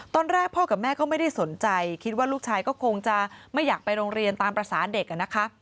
ตอนแรกพ่อกับแม่ก็ไม่ได้สนใจคิดว่าลูกชายก็คงจะไม่อยากไปโรงเรียนตามภาษาเด็กนะคะ